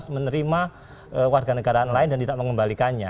menerima warga negara lain dan tidak mengembalikannya